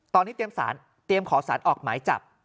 ตอนนี้เตรียมขอสารออกหมายจับ